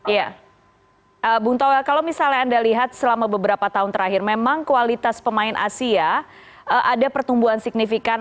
ya bung toel kalau misalnya anda lihat selama beberapa tahun terakhir memang kualitas pemain asia ada pertumbuhan signifikan